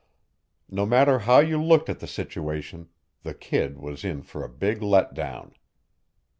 No matter how you looked at the situation, the kid was in for a big letdown.